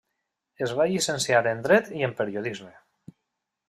Es va llicenciar en Dret i en Periodisme.